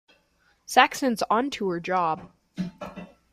Saxon's onto her job.